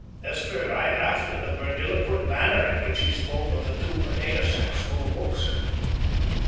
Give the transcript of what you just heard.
Esther and I laughed at the grandiloquent manner in which he spoke of the two potato sacksful of books.